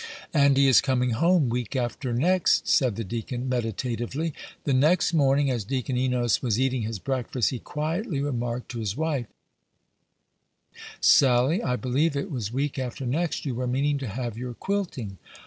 "And he is coming home week after next," said the deacon, meditatively. The next morning, as Deacon Enos was eating his breakfast, he quietly remarked to his wife, "Sally, I believe it was week after next you were meaning to have your quilting?"